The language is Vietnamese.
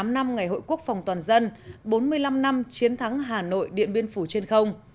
một mươi năm năm ngày hội quốc phòng toàn dân bốn mươi năm năm chiến thắng hà nội điện biên phủ trên không